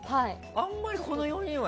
あんまり、この４人は。